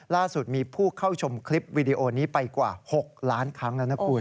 ล่าสุดมีผู้เข้าชมคลิปวิดีโอนี้ไปกว่า๖ล้านครั้งแล้วนะคุณ